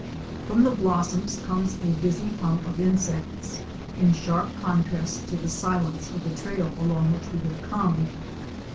From the blossoms comes a busy hum of insects, in sharp contrast to the silence of the trail along which we have come.